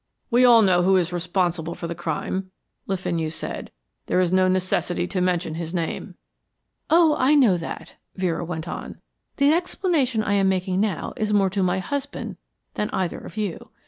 "We all know who is responsible for the crime," Le Fenu said. "There is no necessity to mention his name." "Oh, I know that," Vera went on. "The explanation I am making now is more to my husband than either of you.